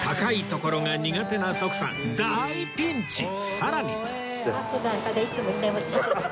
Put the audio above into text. さらに